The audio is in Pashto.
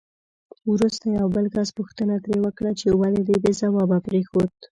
وروسته یو بل کس پوښتنه ترې وکړه چې ولې دې بې ځوابه پرېښود؟